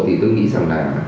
thì tôi nghĩ rằng là